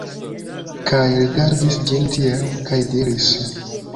Kaj rigardis ĝin tiel, kaj diris: